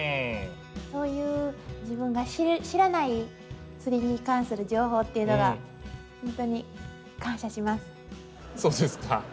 そういう自分が知らない釣りに関する情報っていうのが本当にそうですか。